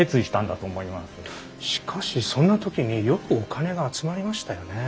しかしそんな時によくお金が集まりましたよね。